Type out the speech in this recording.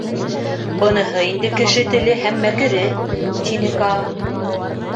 — Быныһы инде кеше теле һәм мәкере, — тине Каа.